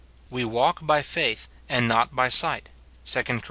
" We walk by faith, and not by sight," 2 Cor.